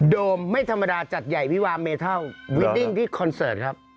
โดมไม่ธรรมดาจัดใหญ่วีดิ้งที่คอนเซิร์ตครับ